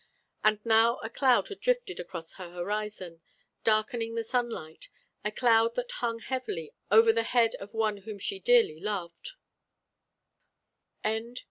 And now a cloud had drifted across her horizon, darkening the sunlight: a cloud that hung heavily over the head of one whom she dearly loved.